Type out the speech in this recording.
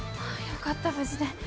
よかった無事で。